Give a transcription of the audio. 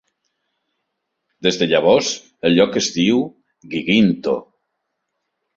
Des de llavors, el lloc es diu Guiguinto.